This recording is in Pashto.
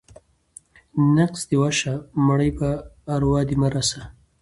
ـ نقص دې وشه ، د مړي په اروا دې مه رسه.